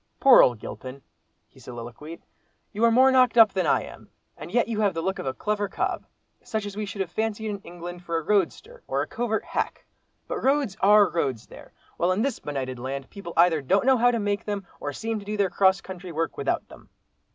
"Poor old Gilpin!" he soliloquised, "you are more knocked up than I am—and yet you have the look of a clever cob—such as we should have fancied in England for a roadster, or a covert hack. But roads are roads there, while in this benighted land, people either don't know how to make them, or seem to do their cross country work without them.